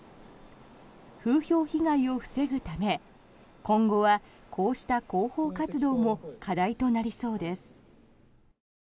風評被害を防ぐため今後は、こうした広報活動も課題となりそうです。